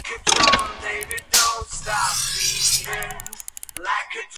Algunos de los miembros mencionados no corresponden a los de los timbres..